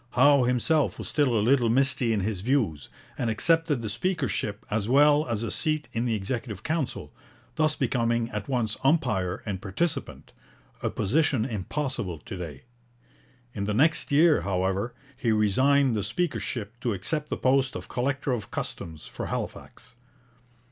Howe himself was still a little misty in his views, and accepted the speakership as well as a seat in the Executive Council, thus becoming at once umpire and participant, a position impossible to day. In the next year, however, he resigned the speakership to accept the post of collector of customs for Halifax.